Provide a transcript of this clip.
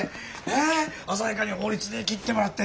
鮮やかに法律で切ってもらって。